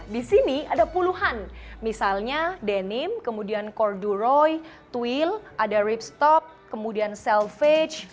di sini ada puluhan misalnya denim kemudian corduroy twill ada ripstop kemudian selvedge